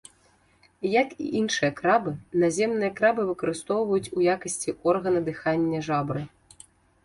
Як і іншыя крабы, наземныя крабы выкарыстоўваюць у якасці органа дыхання жабры.